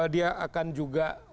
dia akan juga